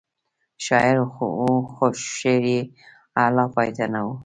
شاعر و خو شعر یې اعلی پای نه و.